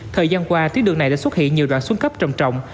thời gian qua tuyến đường này đã xuất hiện nhiều đoạn xuống cấp trầm trọng